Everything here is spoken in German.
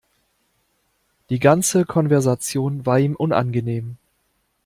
Die ganze Konversation war ihm unangenehm.